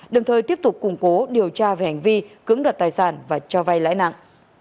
đồng thời tiếp tục củng cố điều tra về hành vi cưỡng đoạt tài sản và cho vay lãi nặng